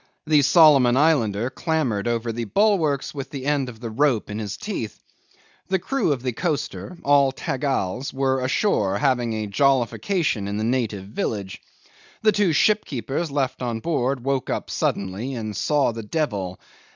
The Solomon Islander clambered over the bulwarks with the end of the rope in his teeth. The crew of the coaster all Tagals were ashore having a jollification in the native village. The two shipkeepers left on board woke up suddenly and saw the devil.